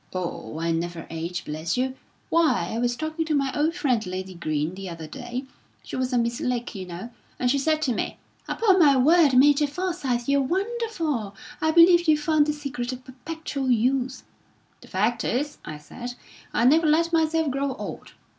"Oh, I never age, bless you! Why, I was talking to my old friend, Lady Green, the other day she was a Miss Lake, you know and she said to me: 'Upon my word, Major Forsyth, you're wonderful. I believe you've found the secret of perpetual youth.' 'The fact is,' I said, 'I never let myself grow old.